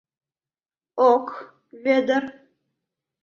— Ок, Вӧдыр!